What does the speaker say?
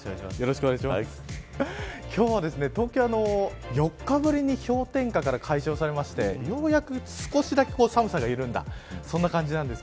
今日は東京、４日ぶりに氷点下から解消されましてようやく少しだけ寒さが緩んだそんな感じです。